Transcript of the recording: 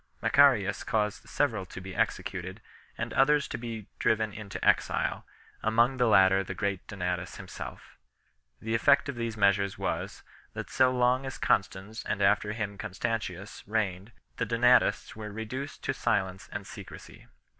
Macarius caused several to be executed, and others to be driven into exile, among the latter the great Donatus him self 1 . The effect of these measures was, that so long as Constans, and after him Constantius reigned, the Donatists were reduced to silence and secrecy.